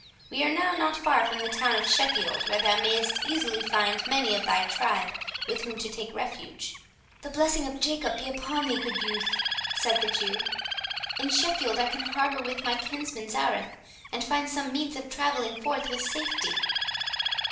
We are now not far from the town of Sheffield, where thou mayest easily find many of thy tribe with whom to take refuge." "The blessing of Jacob be upon thee, good youth!" said the Jew; "in Sheffield I can harbour with my kinsman Zareth, and find some means of travelling forth with safety."